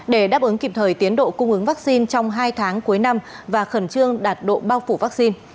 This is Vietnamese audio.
để đáp ứng kịp thời tiến độ cung ứng vaccine trong hai tháng cuối năm và khẩn trương đạt độ bao phủ vaccine